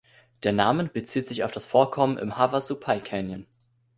Der Namen bezieht sich auf das Vorkommen im Havasupai Canyon.